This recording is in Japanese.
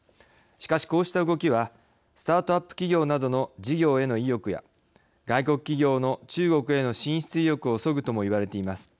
しかし、こうした動きはスタートアップ企業などの事業への意欲や外国企業の中国への進出意欲をそぐともいわれています。